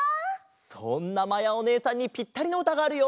そんなまやおねえさんにぴったりのうたがあるよ！